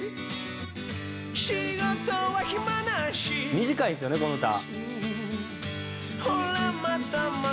「短いんですよねこの歌」